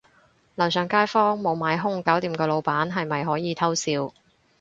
樓上街坊無買兇搞掂個老闆，係咪可以偷笑